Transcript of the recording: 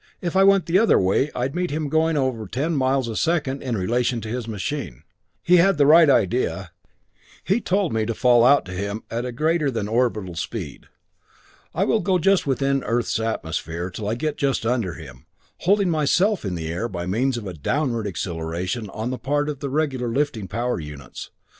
If I went the other way I'd meet him going at over 10 miles a second in relation to his machine. He had the right idea. He told me to fall out to him at a greater than orbital speed. I will go just within the Earth's atmosphere till I get just under him, holding myself in the air by means of a downward acceleration on the part of the regular lifting power units.